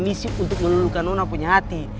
misi untuk meluluhkan nona punya hati